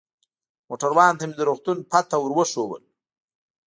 موټروان ته مې د روغتون پته ور وښودل.